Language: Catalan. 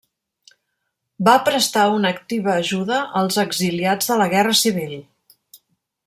Va prestar una activa ajuda als exiliats de la guerra civil.